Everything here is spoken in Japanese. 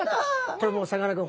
これもうさかなクン